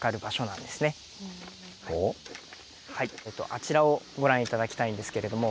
あちらをご覧頂きたいんですけれども。